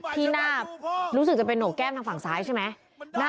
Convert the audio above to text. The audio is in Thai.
พี่หน้าไปรู้สึกเนี่ยจะเป็นโนโกงแก้มทางฝั่งซ้ายใช่ไหม